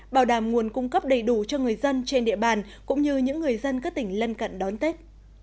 bảo đảm nguồn cung cấp đầy đủ cho người dân trên địa bàn cũng như những người dân các tỉnh lân cận đón tết